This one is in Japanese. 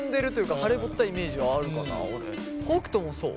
北斗もそう？